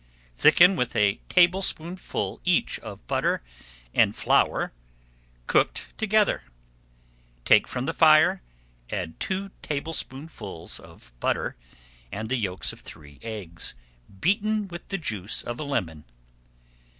Thicken with a tablespoonful each of butter and flour cooked together, take from the fire, add two tablespoonfuls of butter and the yolks of three eggs beaten with the juice of a lemon.